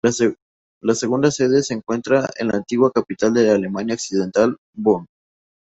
Su segunda sede se encuentra en la antigua capital de la Alemania Occidental, Bonn.